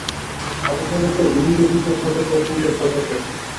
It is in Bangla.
আবহাওয়া দপ্তর ঘূর্ণিঝড় বিষয়ক সতর্ক সংকেত প্রচার করছে।